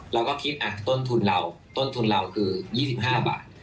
เราก็ที่ค้นต้นทุนแรกง้าวเรา๒๕บาท